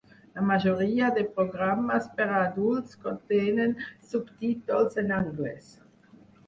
La majoria de programes per a adults contenen subtítols en anglès.